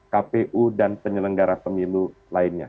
kpu dan penyelenggara pemilu lainnya